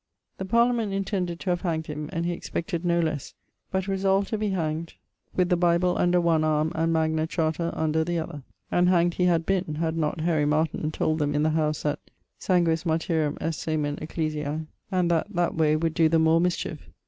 The parliament intended to have hanged him; and he expected no lesse, but resolved to be hangd with the Bible under one arme and Magna Charta under the other. And hangd he had been, had not Harry Martyn told them in the house that Sanguis martyrum est semen ecclesiae, and that that way would doe them more mischiefe.